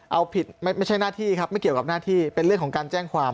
เอาผิดไม่ใช่หน้าที่ครับไม่เกี่ยวกับหน้าที่เป็นเรื่องของการแจ้งความ